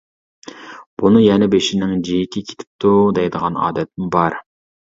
بۇنى يەنە بېشىنىڭ جىيىكى كېتىپتۇ دەيدىغان ئادەتمۇ بار.